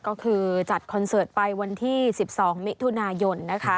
ก็คือจัดคอนเสิร์ตไปวันที่๑๒มิถุนายนนะคะ